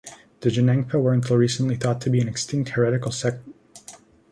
The Jonangpa were until recently thought to be an extinct heretical sect.